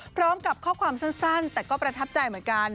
พร้อมกับข้อความสั้นแต่ก็ประทับใจเหมือนกัน